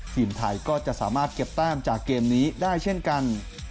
ทีมไทยก็จะสามารถเก็บแต้มจากเกมนี้ได้เช่นกัน